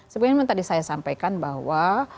sebenarnya memang tadi saya sampaikan bahwa